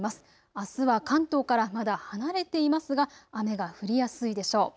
あすは関東からまだ離れていますが雨が降りやすいでしょう。